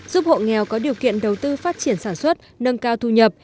giúp hộ nghèo có điều kiện đầu tư phát triển sản xuất nâng cao thu nhập